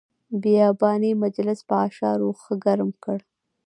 بیاباني مجلس په اشعارو ښه ګرم کړ.